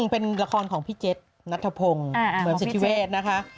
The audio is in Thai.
เป็นละครของพี่เจ็ตนัทพงศ์เสริมสิทธิเวศนะคะ